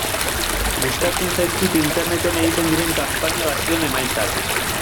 Gustatzen zaizkit Interneten egiten diren kanpaina batzuen emaitzak.